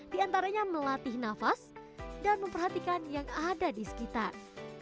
diantaranya melatih nafas dan memperhatikan yang ada di sekitar